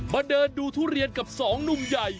เดินดูทุเรียนกับสองหนุ่มใหญ่